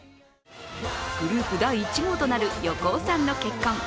グループ第１号となる横尾さんの結婚。